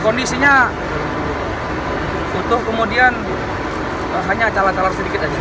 kondisinya utuh kemudian hanya cala calar sedikit aja